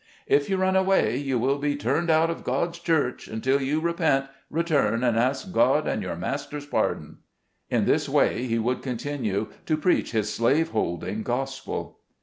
" If you run away, you will be turned out of God's church, until you repent, return, and ask God and your master's pardon." In this way he would con tinue to preach his slave holding gospel.